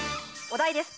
お題です